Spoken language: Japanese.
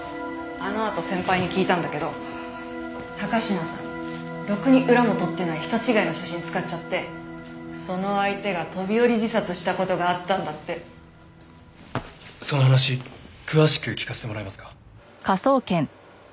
あのあと先輩に聞いたんだけど高階さんろくに裏も取ってない人違いの写真使っちゃってその相手が飛び降り自殺した事があったんだって。その話詳しく聞かせてもらえますか？